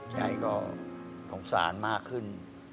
ใจก็โถงสารมากขึ้น